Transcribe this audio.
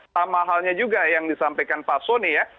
sama halnya juga yang disampaikan pak soni ya